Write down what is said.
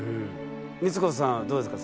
光子さんはどうですか？